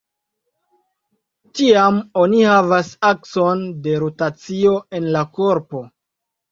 Tiam oni havas akson de rotacio en la korpo.